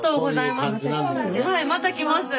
はいまた来ます。